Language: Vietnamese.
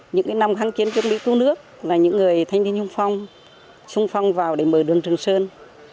những năm kháng chiến chuẩn bị cứu nước là những người thanh niên sung phong vào để mở đường trường sơn